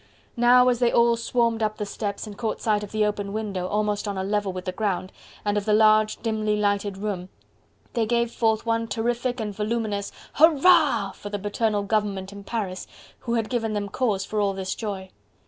Now as they all swarmed up the steps and caught sight of the open window almost on a level with the ground, and of the large dimly lighted room, they gave forth one terrific and voluminous "Hurrah!" for the paternal government up in Paris, who had given them cause for all this joy.